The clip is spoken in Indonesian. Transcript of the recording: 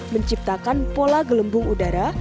menciptakan pola gelembung udara